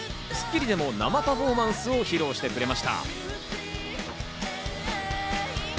『スッキリ』でも生パフォーマンスを披露してくれました。